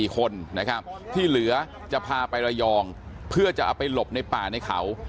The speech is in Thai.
๔คนนะครับที่เหลือจะพาไประยองเพื่อจะเอาไปหลบในป่าในเขา